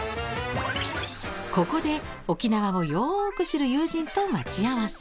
ここで沖縄をよく知る友人と待ち合わせ。